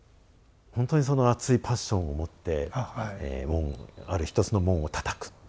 ほんとにその熱いパッションを持って門をある一つの門をたたく。